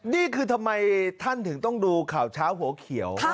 นี่คือทำไมท่านถึงต้องดูข่าวเช้าหัวเขียว